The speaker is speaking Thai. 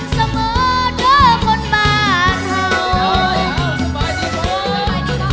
สะเมิดด้วยคนบ้านเท้า